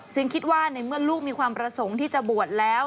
ซึ่งคิดว่าในเมื่อลูกมีความประสงค์ที่จะบวชแล้ว